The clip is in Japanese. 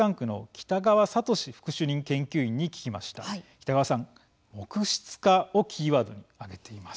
北川さん、木質化をキーワードに挙げています。